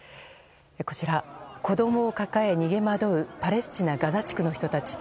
こちら、子供を抱えて逃げ惑うパレスチナ・ガザ地区の人たち。